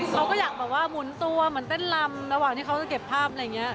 เค้าก็อยากแบบว่ามุนตัวเหมือนเต้นลำระหว่างที่เค้าจะเก็บภาพแบบนี้